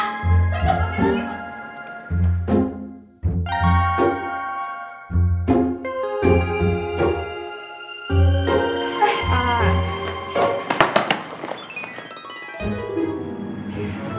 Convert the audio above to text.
tunggu tunggu tunggu